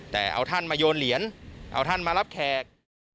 แต่เอาท่านมาโยนเหรียญเอาท่านมารับแขก